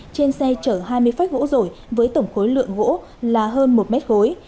trên xe chở hai mươi phách gỗ rổi với tổng khối lượng gỗ là hơn một mét khối